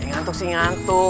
nggak masuk sih ngantuk